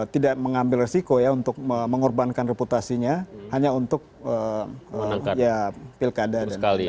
tidak mengambil resiko ya untuk mengorbankan reputasinya hanya untuk pilkada dan lain sebagainya